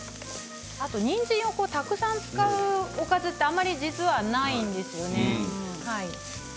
あと、にんじんをたくさん使うおかずってあまり実はないんですよね。